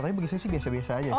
tapi bagi saya sih biasa biasa aja